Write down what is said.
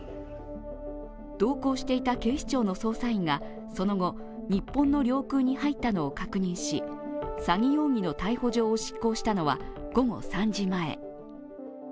同行していた警視庁の捜査員がその後、日本の領空に入ったのを確認し詐欺容疑の逮捕状を執行したのは午後３時前。